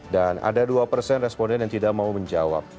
dan ada dua responden yang tidak mau menjawab